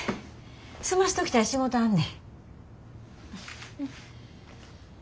済ましときたい仕事あんね。